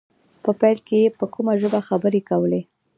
په پيل کې يې په کومه ژبه خبرې کولې.